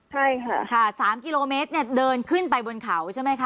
ใช่ค่ะค่ะ๓กิโลเมตรเนี่ยเดินขึ้นไปบนเขาใช่ไหมคะ